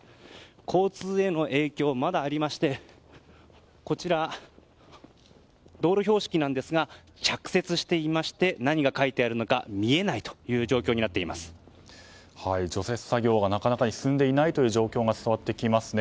交通への影響まだありまして道路標識なんですが着雪していまして何が書いてあるのか見えない除雪作業がなかなか進んでいない状況が伝わってきますね。